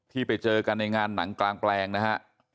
ที่ไปเจอกันในงานหนังกลางแปลงนะฮะ